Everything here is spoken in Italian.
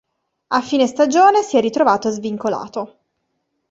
A fine stagione, si è ritrovato svincolato.